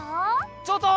ちょっと！